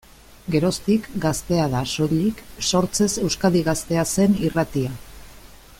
Geroztik, Gaztea da, soilik, sortzez Euskadi Gaztea zen irratia.